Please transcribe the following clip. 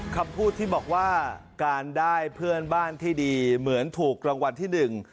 คำพูดที่บอกว่าการได้เพื่อนบ้านที่ดีเหมือนถูกรางวัลที่หนึ่ง